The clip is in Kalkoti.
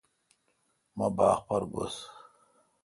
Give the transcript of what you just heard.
مہ باغ پر گس۔